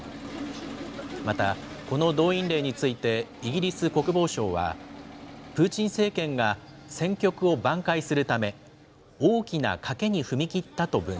また、この動員令について、イギリス国防省は、プーチン政権が戦局を挽回するため、大きな賭けに踏み切ったと分